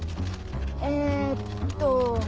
えっと。